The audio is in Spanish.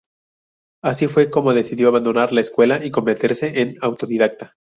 Así fue como decidió abandonar la escuela y convertirse en autodidacta.